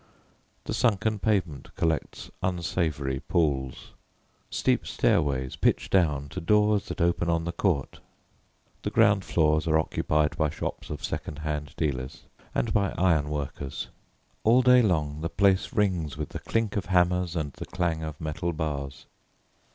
The sunken pavement collects unsavoury pools. Steep stairways pitch down to doors that open on the court. The ground floors are occupied by shops of second hand dealers, and by iron workers. All day long the place rings with the clink of hammers and the clang of metal bars.